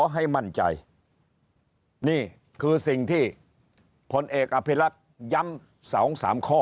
ให้มั่นใจนี่คือสิ่งที่พลเอกอภิรักษ์ย้ำสองสามข้อ